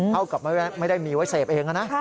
เท่ากับไม่ได้มีไว้เสพเองนะ